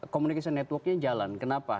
communication networknya jalan kenapa